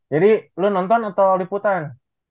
jadi lu nonton atau liputan